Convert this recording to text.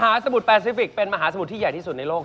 มหาสมุดปะชิฟิกมหาสมุดที่ใหญ่ที่สุดในโลก